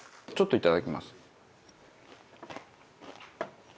ちょっといただきます。